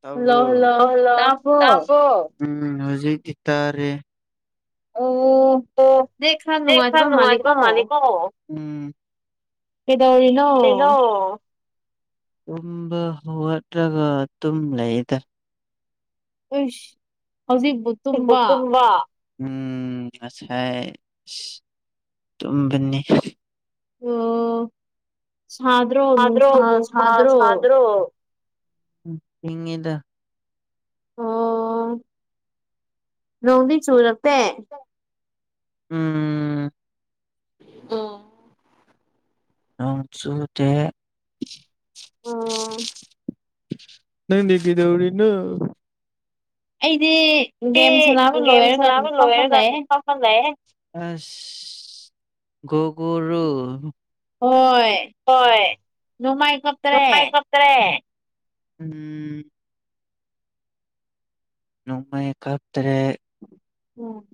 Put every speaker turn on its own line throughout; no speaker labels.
ꯇꯣ ꯎꯝ ꯍꯧꯖꯤꯛ ꯏꯇꯥꯔꯦ
ꯑꯣ
ꯑꯣ ꯅꯦꯠ ꯈꯔ ꯅꯨꯡꯉꯥꯏꯇꯕ ꯃꯥꯜꯂꯦꯀꯣ
ꯀꯗꯧꯔꯤ
ꯗꯩꯅꯣ ꯇꯨꯝꯕ ꯍꯧꯒꯠꯂꯒ ꯇꯨꯝ ꯂꯩꯌꯦꯗ
ꯎꯏꯁ ꯍꯧꯖꯤꯛꯄꯨ
ꯕꯨ ꯇꯕ ꯎꯝ ꯉꯁꯥꯏ ꯑ ꯇꯨꯝꯕꯅꯤ
ꯑꯣ ꯁꯥꯗ꯭ꯔꯣ ꯅꯅꯨꯡ ꯁꯥ ꯁꯥꯗ꯭ꯔꯣ
ꯍꯉꯗ
ꯑꯣ ꯅꯣꯡꯗꯤ ꯆꯨꯔꯛꯇꯦ
ꯎꯝ
ꯑ
ꯅꯁꯨꯗ ꯅ ꯅ ꯀꯗꯧꯔꯤ ꯅ
ꯑꯩꯗꯤ ꯒꯦꯝ ꯁꯥꯟꯅꯕ ꯂꯣꯏꯔꯒ ꯇꯞꯅ ꯂꯩ
ꯑ ꯒꯔ
ꯍꯣꯏ ꯅꯣꯡꯃꯥꯏ ꯀꯞꯇ꯭ꯔꯦ
[unintelligible] ꯎꯝ ꯅꯣꯡꯃꯩ ꯀꯞꯇ꯭ꯔꯦ
ꯎꯝ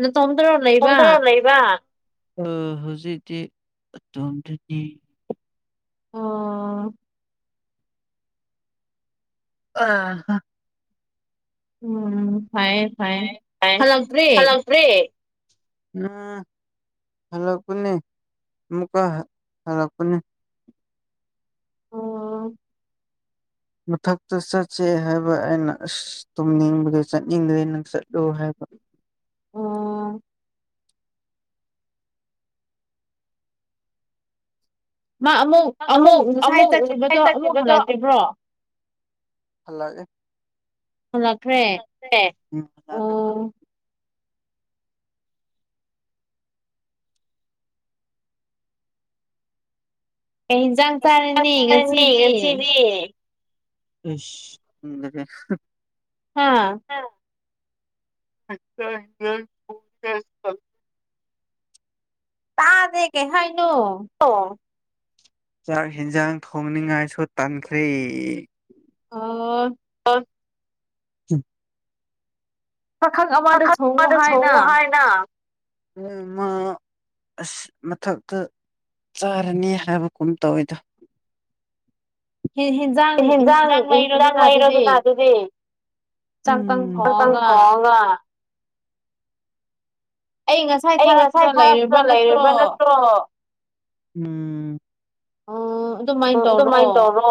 ꯅꯇꯣꯝꯗꯔꯣ ꯂꯩꯕ
[unintelligible] ꯑꯣ ꯍꯧꯖꯤꯛꯇꯤ ꯑꯗꯨꯝ [unintelligible]
ꯑꯣ
ꯑ
ꯎꯝ ꯐꯌꯦ ꯐꯌꯦ ꯍꯜꯂꯛꯇ꯭ꯔꯦ
ꯄ꯭ꯔꯦ ꯎꯝ ꯍꯜꯂꯛꯄꯅꯦ ꯑꯃꯨꯛꯀ ꯍꯜꯂꯛꯄꯅꯦ
ꯑꯣ
ꯃꯊꯛꯇ ꯆꯠꯁꯦ ꯍꯥꯏꯕ ꯑꯩꯅ ꯑꯁ ꯇꯨꯝꯅꯤꯡꯕꯗ ꯆꯠꯅꯤꯡꯗ꯭ꯔꯦ ꯅꯪ ꯆꯠꯂꯣ ꯍꯥꯏꯕ
ꯑꯣ ꯃꯥ ꯑꯃꯨꯛ ꯑꯃꯨꯛ ꯉꯁꯥꯏ ꯆꯠꯈꯤꯕꯗꯣ ꯑꯃꯨꯛ ꯍꯜꯂꯛꯇꯕ꯭ꯔꯣ
ꯐꯜꯂꯑꯒꯦ
ꯍꯂꯛꯈ꯭ꯔꯦ
[inaudible]
ꯑꯩ
ꯀꯅꯤꯒꯁꯤꯗꯤ ꯁꯦ ꯄ
ꯇꯥꯖ ꯀꯦ ꯍꯥꯏꯅꯣ
ꯑꯣ ꯆꯥꯛ ꯌꯦꯟꯁꯥꯡ ꯊꯣꯡꯅꯤꯉꯥꯏꯁꯨ ꯇꯥꯟꯈ꯭ꯔꯦ
ꯑꯣ
[unintelligible] [unintelligible] ꯁꯧ ꯑꯣ ꯍꯥꯏꯅ ꯃꯥ ꯑꯁ ꯃꯊꯛꯇ ꯆꯥꯔꯅꯤ ꯍꯥꯏꯕ ꯀꯨꯝ ꯇꯧꯋꯤꯗ
ꯍꯟꯖꯥꯡ ꯍꯤꯟꯖꯥꯡ ꯂꯩꯔꯗꯨꯅ ꯑꯗꯨꯗꯤ
ꯑꯗꯨꯗꯤ
ꯆꯀꯪ ꯊ‌ꯣꯡꯉꯥꯒ ꯑꯩ ꯉꯁꯥꯏ ꯊꯥꯔꯛꯄꯗ ꯂꯩꯔꯕ꯭ꯔꯥ ꯅꯠꯇ꯭ꯔꯣ ꯑꯣ
ꯎꯝ ꯑꯗꯨꯃꯥꯏ ꯇꯧꯔꯣ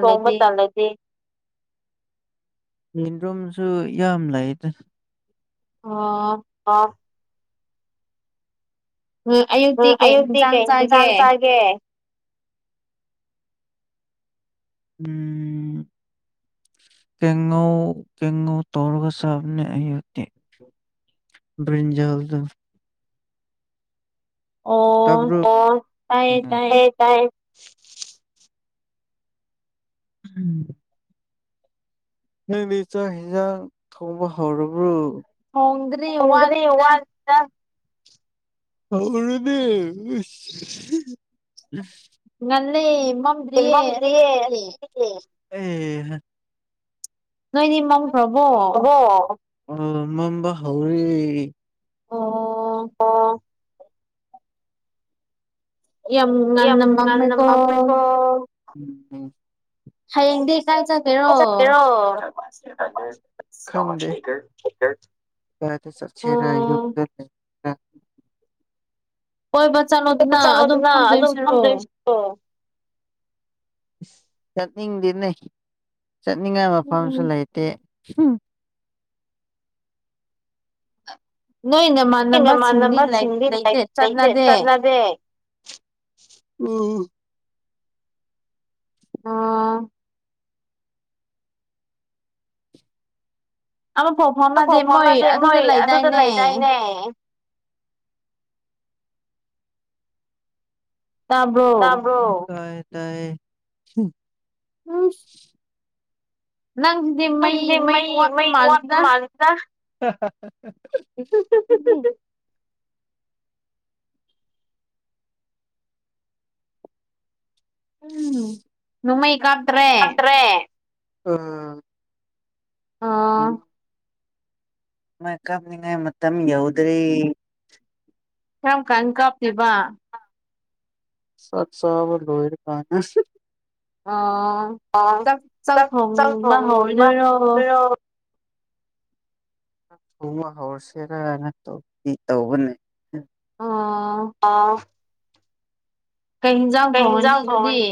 ꯊꯣꯡꯕ ꯇꯜꯂꯗꯤ ꯌꯦ ꯔꯣꯝꯁꯨ ꯌꯥꯝ ꯂꯩꯗ
ꯑꯣ
ꯑ
ꯎ ꯑꯌꯨꯛꯇꯤ ꯀꯩ ꯌꯦꯟꯁꯥꯡ ꯆꯥꯒꯦ
[inaudible]
[inaudible]
ꯎꯝ ꯀꯦꯡꯉꯧ ꯀꯦꯡꯉꯧ ꯇꯧꯔꯒ ꯆꯥꯕꯅꯦ ꯑꯌꯨꯛꯇꯤ ꯕ꯭ꯔꯤꯟꯖꯥꯜꯗꯣ ꯇꯕꯔꯣ ꯑꯣ ꯇꯥꯏꯌꯦ ꯇꯥꯏꯌꯦ ꯎꯝ ꯅꯪꯗꯤ ꯆꯥꯛ ꯍꯤꯟꯖꯥꯡ ꯊꯣꯡꯕ ꯍꯧꯔꯕ꯭ꯔꯣ ꯊꯣꯡꯗ [unintelligible] ꯍꯧꯔꯅꯤ ꯏꯁ
ꯅꯅꯦꯦ ꯏꯃꯝ꯭ꯔꯤꯌꯦ
ꯑꯣ ꯑꯦ
ꯅꯣꯏꯅꯤ ꯃ ꯍꯕ
ꯑꯣ ꯑꯣ ꯃꯝꯕ ꯍꯧꯔꯤ
ꯑꯣ
ꯌꯥꯝ ꯉꯅ ꯃꯃ ꯏꯣ
ꯍꯌꯦꯡꯗꯤ ꯀꯥꯏꯖꯒꯦꯔꯣ
ꯀꯗꯥꯏꯗ ꯆꯠꯁꯦꯔ ꯍꯥꯏꯁꯨ [unintelligible] ꯣꯏ ꯆꯠꯂꯣꯗꯅ ꯑꯗꯨꯝ ꯐꯝꯗ꯭ꯔꯣꯏꯁꯤꯣ ꯆꯠꯅꯤꯡꯗꯦꯅꯦ ꯆꯠꯅꯤꯡꯉꯥꯏ ꯃꯐꯝꯁꯨ ꯂꯩꯇꯦ
ꯅꯣꯏꯅꯦ ꯃꯥ
ꯅꯃꯥꯟꯅꯕ ꯁꯤꯡꯗꯤ ꯂꯩꯇꯦ ꯆꯠꯅꯗꯦ ꯎ
ꯑꯣ ꯑꯃꯐꯥꯎ ꯐꯥꯎꯅꯗꯦ ꯃꯣꯏ ꯑꯗꯨꯗ ꯂꯩꯗꯥꯏꯅꯦ
ꯇ꯭ꯔꯣ ꯍ ꯇ
ꯑꯥꯏꯁ ꯅꯪꯗꯤ
ꯁꯦ ꯃꯩ ꯃꯩ ꯋꯥꯠꯄ ꯃꯥꯜꯂꯤꯁꯤ꯭ꯔ ꯎ ꯀꯥ꯭ꯔꯦ ꯎꯝ ꯎꯝ ꯃꯀꯞꯅꯤꯉ ꯃꯝ ꯌꯎꯗ꯭ꯔꯔꯤ
ꯌꯥꯝꯌꯥꯝ ꯀꯥꯟ ꯀꯥꯞꯇꯕ
ꯁꯠ ꯁꯕ ꯂꯣꯍꯤꯔ ꯀ
ꯑ ꯆꯪ ꯊꯣꯡꯕ ꯍꯧꯗꯣꯏꯔꯣ
ꯊꯣꯡꯕ ꯍꯧꯔꯁꯦꯔꯅ ꯇꯧꯕꯗꯤ ꯇꯧꯕꯅꯦ ꯑ
ꯀꯩ ꯌꯦꯟꯖꯥꯡ ꯊꯣꯡꯉꯅꯤ ꯑꯗꯨꯗꯤ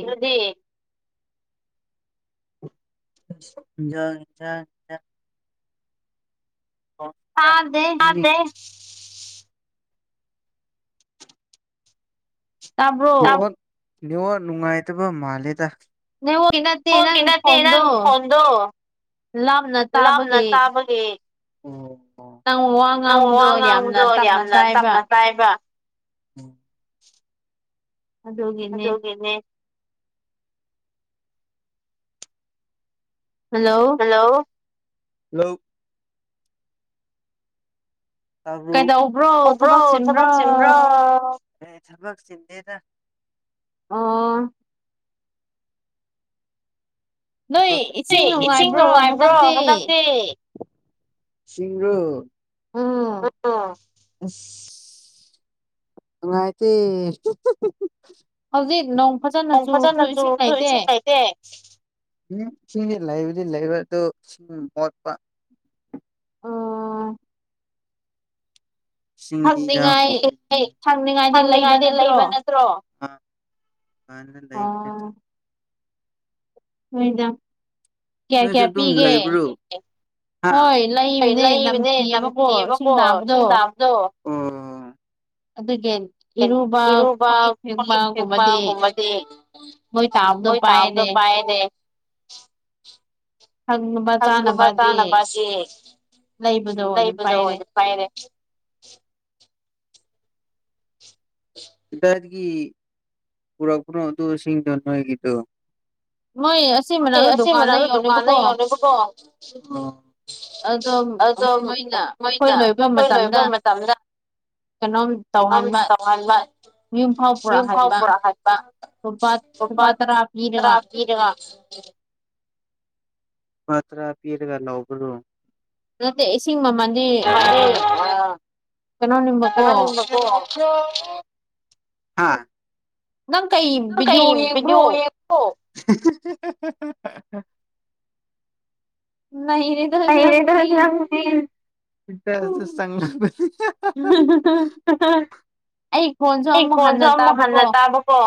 [inaudible]
ꯇꯥꯗꯦ
ꯉꯣ ꯅꯤꯡꯉꯣ ꯅꯨꯡꯉꯥꯏꯇꯕ ꯃꯥꯜꯂꯦꯗ ꯍꯩꯅꯠꯇꯅ ꯐꯗꯣ ꯂꯕꯅ ꯇꯥꯕꯒꯦ ꯅꯪ ꯋꯥ ꯉꯥꯡꯕꯗꯣ ꯌꯥꯝꯅ ꯇꯞꯅ ꯇꯥꯌ‌ꯦꯕ
ꯑꯗꯨꯗꯒꯦꯅꯦ
ꯍꯜꯂꯣ ꯍꯂꯣ ꯇꯥꯕ꯭ꯔꯣ ꯕ꯭ꯔꯣ ꯊꯕꯛ ꯆꯤꯟꯕ꯭ꯔꯣ ꯑꯦ ꯊꯕꯛ ꯆꯤꯟꯗꯦꯗ
ꯑꯣ
ꯏꯁꯤꯡ ꯅꯨꯡꯉꯥꯏꯕ꯭ꯔꯣ ꯅꯊꯪꯁꯦ ꯏꯁꯤꯡ ꯔꯣ ꯎꯝ ꯏꯁ ꯍꯥꯏꯗꯤ
ꯍꯧꯖꯤ ꯅꯣ
ꯅ‌ꯣꯡ ꯐꯖꯅ ꯆꯨꯔꯁꯨ ꯏꯁꯤꯡ ꯂꯩꯇꯦ ꯎꯝ ꯁꯤꯡꯗꯤ ꯂꯩꯕꯨꯗꯤ ꯂꯩꯕ ꯑꯗꯨ ꯁꯤꯡ ꯃꯣꯠꯄ
ꯑꯣ
ꯊꯪꯅꯤꯉꯥꯏꯗꯤ ꯂꯩꯕ ꯅꯠꯇ꯭ꯔꯣ ꯀ ꯂꯩꯕꯅꯤ
ꯍꯣꯏꯗ
ꯅꯣꯏꯁꯨ ꯑꯗꯨꯝ ꯂꯩꯕ꯭ꯔꯣ ꯂꯩꯕꯅꯦ ꯅꯝꯗꯦꯕꯀꯣ ꯁꯨꯝ ꯇꯕꯗꯣ
ꯑꯗꯨꯒꯤ ꯏꯔꯨꯕ ꯈꯣꯛꯂꯦꯛ ꯐꯦꯡꯕꯒꯨꯝꯕꯗꯤ ꯃꯣꯏ ꯇꯥꯕꯗꯣ ꯄꯥꯏꯌꯦꯅꯦ
ꯍꯪꯨꯝꯕ ꯆꯥꯅꯕ ꯑꯁꯤ ꯂꯩꯕꯗ ꯑꯣꯏꯅ ꯑꯣꯏꯅ ꯄꯥꯏꯔꯦ ꯇꯗꯤꯀꯤ ꯄꯨꯔꯥ ꯄꯨꯔꯣ ꯑꯗꯨꯁꯤꯡꯗꯣꯏꯒꯗꯣ
ꯃꯣꯏ
ꯍꯣꯏ ꯑꯁꯤ ꯃꯛ ꯗꯨꯀꯥꯟꯗ ꯌꯧꯅꯦꯕꯀꯣ ꯑꯗꯣ ꯃꯣꯏꯅ ꯑꯩꯈꯣꯏ ꯂꯣꯏꯕ ꯃꯇꯝꯗ
ꯀꯩꯅꯣꯝ
[unintelligible] ꯌꯨꯝꯐꯥꯎ ꯄꯨꯔꯛꯍꯟꯕ ꯂꯨꯄꯥ ꯇꯔꯥ [unintelligible] ꯃꯥ꯭ꯔ ꯄꯤꯔꯒ ꯂꯎꯕꯔꯣ
ꯅꯠꯇꯦ ꯏꯁꯤꯡ ꯃꯃꯜꯗꯤ ꯀꯩꯅꯣꯅꯤꯡꯕꯀꯣ
ꯍꯥꯥ
ꯅꯪ ꯀꯩ ꯚꯤꯗꯤꯑꯣ ꯌꯦꯡꯕ꯭ꯔꯣ
ꯑꯣ [unintelligible]
ꯅꯩꯔꯦꯗ ꯅꯪꯗꯤ
[unintelligible] ꯑꯩ ꯐꯣꯟꯁꯨ ꯑꯃꯨꯛ ꯍꯟꯅ ꯇꯥꯕꯀꯣ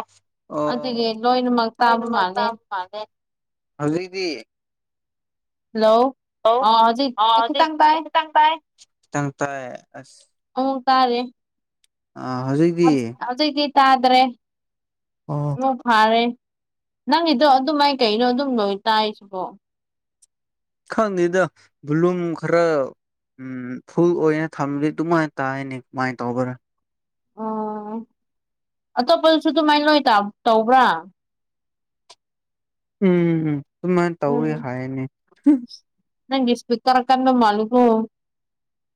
ꯂꯣꯏꯅꯃꯛ ꯇꯥꯕ ꯄꯥꯗꯦ ꯍꯧꯖꯤꯛꯗꯤ
ꯍꯜꯂꯣ
ꯍ ꯆꯪ ꯆꯪ ꯑ
ꯑ ꯇꯥꯔꯦ
ꯑ ꯍꯧꯖꯤꯛ
ꯍꯧꯖꯤꯛꯛꯇꯤ ꯇꯥꯗ꯭ꯔꯦ
ꯑꯣ
ꯐꯥꯔꯦ ꯅꯪꯒꯤꯗꯣ ꯑꯗꯨꯝꯥꯏ ꯀꯩꯅꯣ ꯑꯗꯨꯝ ꯂꯣꯏ ꯇꯥꯏꯔꯤꯁꯤꯕꯣ
ꯈꯪꯗ‌ꯦꯗ ꯕꯂꯨꯝ ꯈꯔ ꯎꯝ ꯐꯨꯜ ꯑꯣꯏꯅ ꯊꯝꯗꯤ ꯑꯗꯨꯃꯥꯏ ꯇꯥꯏꯅꯤ ꯀꯃꯥꯏ ꯇꯧꯕ꯭ꯔꯥ
ꯑꯇꯣꯞꯄꯗꯨꯁꯨ ꯑꯗꯨꯃꯥꯏꯅ ꯂꯣꯏ ꯇꯧꯕ꯭ꯔꯥ
ꯎꯝ ꯎꯝ ꯑꯗꯨꯃꯥꯏꯅ ꯇꯧꯋꯤ ꯍꯥꯏꯅ‌ꯦ
ꯅꯪꯒꯤ ꯏꯁꯄꯤꯛꯀꯔ ꯀꯟꯕ ꯃꯥꯜꯂꯤꯀꯣ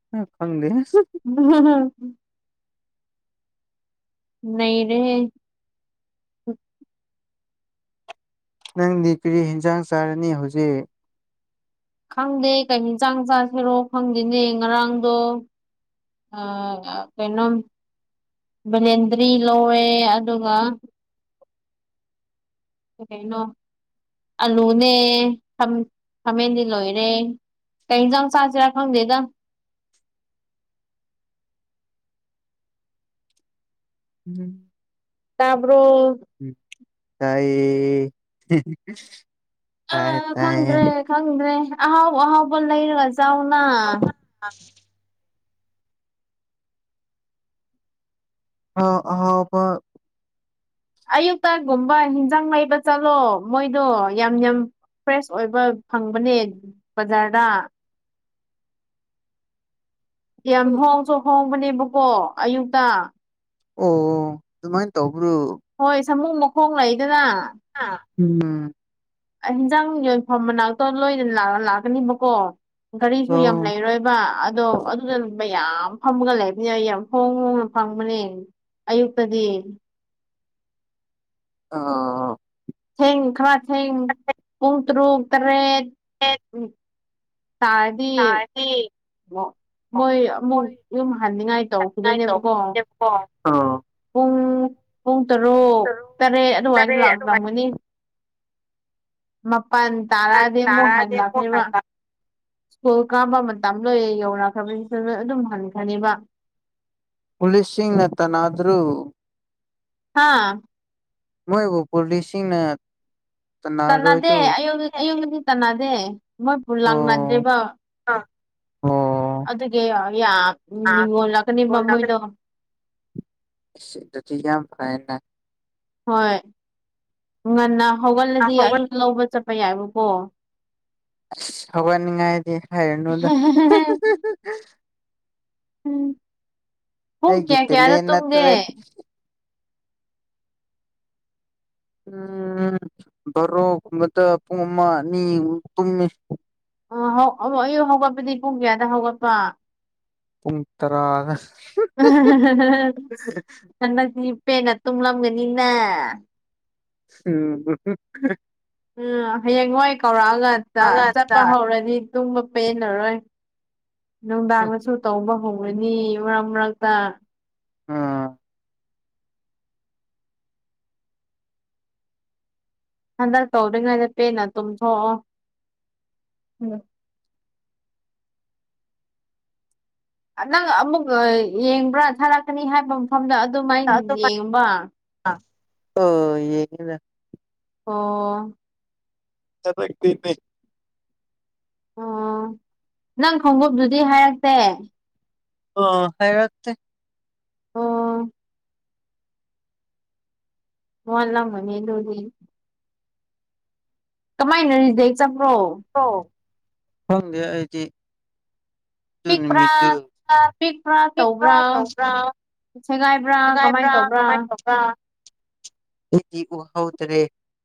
[unintelligible]
[unintelligible] ꯅꯩꯔꯦꯍ‌ꯦ
ꯅꯪꯗꯤ ꯀꯔꯤ ꯏꯟꯖꯥꯡ ꯆꯥꯔꯅꯤ ꯍꯧꯖꯤꯛ
ꯈꯪꯗꯦ ꯀꯩ ꯏꯟꯆꯥꯡ ꯆꯥꯁꯤꯔꯣ ꯈꯪꯗꯦꯅꯦ ꯉꯔꯥꯡꯗꯣ ꯑ ꯀꯩꯅꯣꯝ ꯕꯂꯦꯟꯗ꯭ꯔꯤ ꯂꯧꯋꯦ ꯑꯗꯨꯒ ꯀꯩꯅꯣ ꯑꯂꯨꯅꯦ ꯈꯥꯃꯦꯟꯗꯤ ꯂꯣꯏꯔꯦ ꯀꯩꯖ ꯁꯥꯁꯤꯔ ꯈꯪꯗꯦꯗ
ꯎꯝ
ꯇꯥꯕꯔꯣ
ꯝ ꯇꯥꯏ
ꯑꯥ ꯈꯪꯗ꯭ꯔꯦ ꯈꯪꯗ꯭ꯔꯦ ꯑꯍꯥꯎ ꯑꯍꯥꯎꯕ ꯂꯩꯔꯒ
[unintelligible] ꯑꯍꯥꯎ ꯑꯍꯥꯎꯕ
ꯑꯌꯨꯛꯇꯒꯨꯝꯕ ꯍꯤꯟꯖꯥꯡ ꯂꯩꯕ ꯆꯠꯂꯣ ꯃꯣꯏꯗꯣ ꯌꯥꯝ ꯌꯥꯝ ꯐ꯭ꯔꯦꯁ ꯑꯣꯏꯕ ꯐꯪꯕꯅꯦ ꯕꯖꯥꯔꯗ ꯌꯥꯝ ꯍꯣꯡꯁꯨ ꯍꯣꯡꯕꯅꯦꯕꯀꯣ ꯑꯌꯨꯛꯇ
ꯑꯣ ꯑꯗꯨꯃꯥꯏꯅ ꯇꯧꯕ꯭ꯔꯣ
ꯍꯣꯏ ꯁꯥꯃꯨ ꯃꯈꯣꯡ ꯂꯩꯗꯅ
ꯍꯥ ꯎꯝ
ꯑꯩ ꯍꯤꯟꯖꯥꯡ ꯌꯣꯟꯐꯝ ꯃꯅꯥꯛꯇꯣ ꯂꯣꯏꯅ ꯂꯥꯛꯀꯅꯤꯕꯀꯣ ꯒꯥꯔꯤꯁꯨ ꯌꯥꯝ ꯂꯩꯔꯣꯏꯕ ꯑꯗꯣ ꯃꯌꯥꯝ ꯐꯝꯃꯒ ꯂꯩꯕꯅꯦ ꯑꯩ ꯌꯥꯝ ꯍꯣꯡ ꯍꯣꯡꯅ ꯐꯪꯕꯅꯦ ꯑꯌꯨꯛꯇꯗꯤ
ꯑꯥ
ꯊꯦꯡ ꯈꯔ ꯊꯦꯡ ꯄꯨꯡ ꯇꯔꯨꯛ ꯇꯔꯦꯠ
ꯑꯦꯗ
ꯇꯥꯏ
ꯇꯔꯤ
ꯑꯣ ꯃꯣꯏ ꯑꯃꯨꯛ ꯌꯨꯝ ꯍꯟꯅꯤꯡꯉꯥꯏ ꯇꯧꯈꯤꯗꯣꯏꯅꯦꯕꯀꯣ ꯄꯨꯡ ꯄꯨꯡ ꯇꯔꯨꯛ ꯇꯔꯦꯠ ꯑꯗꯨꯃꯥꯏꯅ ꯂꯥꯛꯂꯝꯒꯅꯤ ꯃꯄꯜ ꯇꯥꯔꯛꯑꯗꯤ ꯑꯃꯨꯛ ꯍꯜꯂꯛꯈ꯭ꯔ‌ꯦꯕ ꯁ꯭ꯀꯨꯜ ꯀꯥꯕ ꯃꯇꯝ ꯂꯣꯏꯔ ꯌꯧꯔꯛꯈ꯭ꯔꯕꯅꯤ ꯑꯗꯨꯝ ꯍꯟꯈ꯭ꯔꯥꯅꯦꯕ
ꯄꯨꯂꯤꯁꯤꯡꯅ ꯇꯅꯗ꯭ꯔ‌ꯣ
ꯍꯥꯥ
ꯃꯣꯏꯕꯨ ꯄꯨꯂꯤꯁꯁꯤꯡꯅ
ꯇꯟꯅꯗꯦ ꯑꯌꯨ ꯑꯌꯨꯛꯗ ꯗꯤ ꯇꯟꯅꯗꯦ ꯃꯣꯏꯄꯨ ꯂꯥꯛꯅꯗꯦꯕ
ꯑꯣ
ꯑꯗꯨꯒꯤ ꯌꯥꯝ ꯅꯤꯉꯣꯜꯂꯛꯀꯅꯤꯕ ꯃꯣꯏꯗꯣ
ꯑꯗꯨꯗꯤ ꯌꯥꯝ ꯐꯦꯅ
ꯍꯣꯏ ꯉꯟꯅ ꯍꯧꯒꯠꯂꯗꯤ ꯑꯗꯨ ꯂꯧꯕ ꯆꯠꯄ ꯌꯥꯏꯕꯀꯣ
ꯑꯁ ꯍꯧꯒꯠꯅꯤꯡꯉꯥꯏꯗꯤ ꯍꯥꯏꯔꯨꯅꯨꯗ
ꯎꯝ ꯄꯨꯡ ꯀꯌꯥ ꯀꯌꯥꯗ ꯇꯨꯝꯒꯦ
ꯎꯝ ꯚꯔꯣꯛꯒꯨꯝꯕꯗ ꯄꯨꯡ ꯑꯃ ꯑꯅꯤ ꯇꯨꯡꯉ
ꯑꯣ ꯑꯌꯨꯛ ꯍꯧꯒꯠꯄꯗꯤ ꯄꯨꯡ ꯀꯌꯥꯗ ꯍꯧꯒꯠꯄ
ꯄꯨꯡ ꯇꯔꯥ ꯑꯁ
ꯍꯟꯗꯛꯇꯤ ꯄꯦꯟꯅꯥ ꯇꯨꯝꯂꯝꯒꯅꯤꯅꯦ
[unintelligible]
ꯎꯝ ꯍꯌꯦꯡ ꯍꯣꯏ ꯀꯧꯔꯛꯑ ꯉꯥꯛꯇ ꯆꯠꯄ ꯍꯧꯔꯅꯤ ꯇꯨꯝꯕ ꯄꯦꯟꯅꯔꯣꯏ ꯅꯨꯡꯗꯥꯡꯗꯁꯨ ꯇꯧꯕ ꯍꯧ ꯍꯣꯔꯅꯤ ꯃꯔꯛ ꯃꯔꯛꯇ ꯍꯟꯗꯛ ꯇꯧꯗ꯭ꯔꯤꯉꯩꯗ ꯄꯦꯟꯅ ꯇꯨꯝꯊꯣꯛꯑꯣ ꯎꯝ ꯅꯪ ꯑꯃꯨꯛ ꯌꯦꯡꯕ꯭ꯔꯥ ꯊꯥꯔꯛꯀꯅꯤ ꯍꯥꯏꯕ ꯃꯐꯝꯗ ꯑꯗꯨꯃꯥꯏꯅ ꯌꯦꯡꯕ
ꯑꯣ ꯌꯦ
ꯑꯣ
ꯄ
ꯑꯣ ꯅꯪ ꯈꯣꯡꯎꯞꯗꯨꯗꯤ ꯍꯥꯏꯔꯛꯇꯦ
ꯑꯣ ꯍꯥꯏꯔꯛꯇꯦ
ꯑꯣ ꯃꯣꯠꯂꯝꯒꯅꯤ ꯑꯗꯨꯗꯤ ꯀꯃꯥꯏꯅ ꯔꯤꯖ‌ꯩꯛ ꯆꯠꯄ꯭ꯔꯣ
[unintelligible] ꯈꯪꯗꯦ ꯑꯩꯗꯤ
ꯄꯤꯛꯄ꯭ꯔꯥ ꯄꯤꯛꯄ꯭ꯔꯥ ꯇꯧꯕ꯭ꯔꯥ ꯁꯦꯒꯥꯏꯕ꯭ꯔꯥ ꯀꯃꯥꯏꯅ ꯇꯧꯕ꯭ꯔꯥ
ꯗꯤ ꯎ ꯍꯧꯗ꯭ꯔꯦ